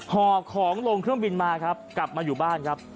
ห่อของลงเครื่องบินมาครับกลับมาอยู่บ้านครับ